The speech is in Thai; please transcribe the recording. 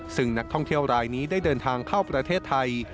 ซึ่งนักท่องเที่ยวรายนี้ได้เดินทางเข้าประเทศไทย